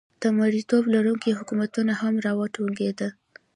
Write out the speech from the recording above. د مریتوب لرونکي حکومتونه هم را وټوکېدل.